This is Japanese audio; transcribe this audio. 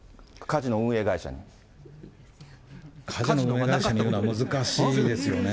カジノ運営会社に言うのは難しいですよね。